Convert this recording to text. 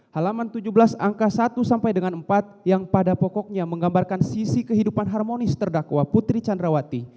halaman tujuh belas angka satu sampai dengan empat yang pada pokoknya menggambarkan sisi kehidupan harmonis terdakwa putri candrawati